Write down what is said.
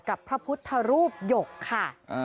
กับพระพุทธมอยกค่ะ